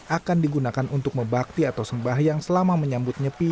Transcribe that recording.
akan digunakan untuk membakti atau sembahyang selama menyambut nyepi